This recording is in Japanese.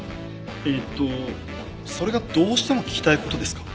えっとそれがどうしても聞きたいことですか？